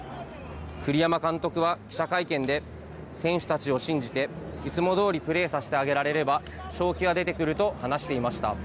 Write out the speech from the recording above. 栗山監督は記者会見で、選手たちを信じて、いつもどおりプレーさせてあげられれば、勝機は出てくると話していました。